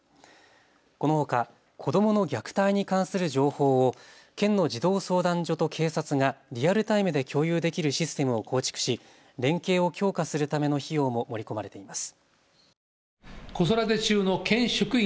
このほか子どもの虐待に関する情報を県の児童相談所と警察がリアルタイムで共有できるシステムを構築し連携を強化するための費用も盛り込まれています。